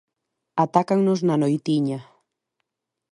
Atácannos na noitiña.